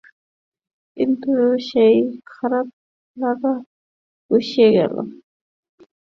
কিন্তু সেই খারাপ লাগা পুষিয়ে গেল এবার আগমনী সংগঠনের পূজার মাধ্যমে।